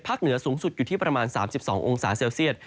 เหนือสูงสุดอยู่ที่ประมาณ๓๒องศาเซลเซียต